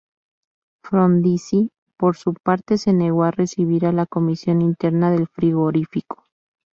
Frondizi por su parte se negó a recibir a la comisión interna del frigorífico.